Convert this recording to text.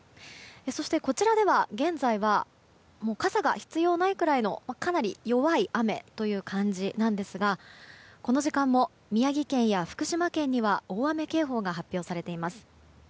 そして、こちらでは現在は傘が必要ないくらいのかなり弱い雨という感じなんですがこの時間も宮城県や福島県には大雨警報が発表されています。